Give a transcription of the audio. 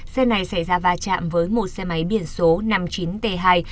xe này xảy ra va chạm với một xe máy biển số năm mươi chín t hai ba trăm sáu mươi một